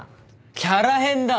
キャラ変だ。